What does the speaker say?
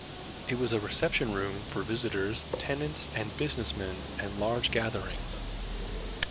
It was a reception room for visitors, tenants and businessmen and large gatherings.